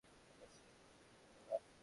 Agency সম্পর্কে কথা না বলা।